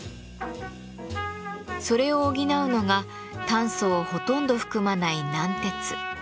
それを補うのが炭素をほとんど含まない軟鉄。